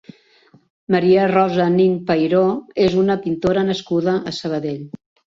Maria Rosa Nin Pairó és una pintora nascuda a Sabadell.